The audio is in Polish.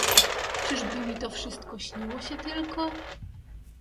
"Czyż by mi to wszystko śniło się tylko?"